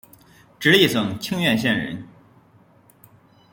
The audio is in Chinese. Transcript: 直隶省清苑县人。